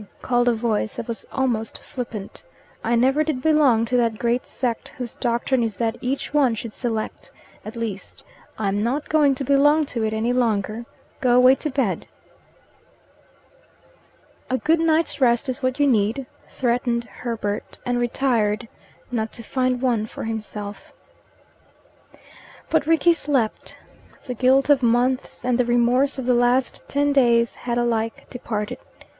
called a voice that was almost flippant. "I never did belong to that great sect whose doctrine is that each one should select at least, I'm not going to belong to it any longer. Go away to bed." "A good night's rest is what you need," threatened Herbert, and retired, not to find one for himself. But Rickie slept. The guilt of months and the remorse of the last ten days had alike departed.